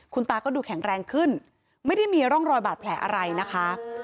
คุณตาก็ดูแข็งแรงขึ้นไม่ได้มีร่องรอยบาดแผลอะไรนะคะ